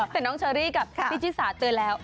แต่น้องเชอรี่กับพี่ชิสาเตือนแล้ว